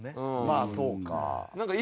まあそうか。